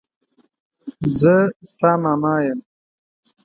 زه ستا ماما يم.